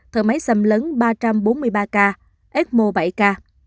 thở máy xâm lớn ba trăm bốn mươi ba ca ecmo bảy ca